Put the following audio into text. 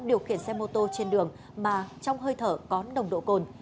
điều khiển xe mô tô trên đường mà trong hơi thở có nồng độ cồn